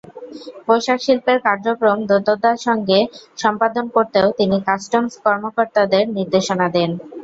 পোশাকশিল্পের কার্যক্রম দ্রুততার সঙ্গে সম্পাদন করতেও তিনি কাস্টমস কর্মকর্তাদের নির্দেশনা দেন।